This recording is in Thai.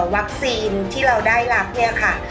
วัคซีนที่เราได้รับ